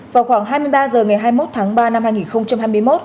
vào khoảng hai mươi ba h ngày hai mươi một tháng ba năm hai nghìn hai mươi một